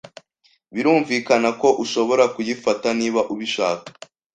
Birumvikana ko ushobora kuyifata niba ubishaka.